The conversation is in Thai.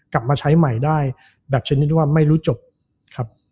กลับมาใช้ใหม่ได้แบบชนิดที่ว่าไม่รู้จบครับ